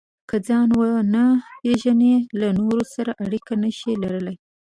که ځان ونه پېژنئ، له نورو سره اړیکې نشئ لرلای.